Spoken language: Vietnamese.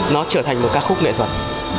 nó trở thành một ca khúc nghệ thuật